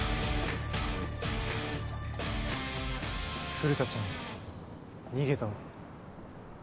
古田ちゃん逃げたわ。